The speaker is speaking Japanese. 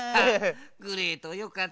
グレートよかったね。